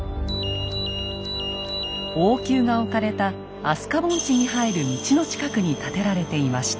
王宮が置かれた飛鳥盆地に入る道の近くに建てられていました。